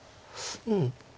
うん。